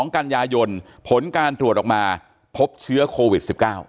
๒กันยายนผลการตรวจออกมาพบเชื้อโควิด๑๙